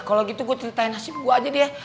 kalau gitu gue ceritain nasib gue aja deh